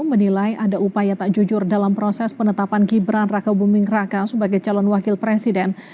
menilai ada upaya tak jujur dalam proses penetapan gibran raka buming raka sebagai calon wakil presiden